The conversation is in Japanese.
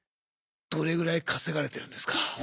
どれぐらい稼がれてるんですか？